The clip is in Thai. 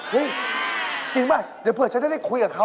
จริงป่ะเดี๋ยวเผื่อฉันจะได้คุยกับเขา